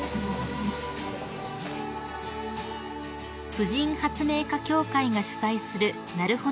［婦人発明家協会が主催するなるほど展］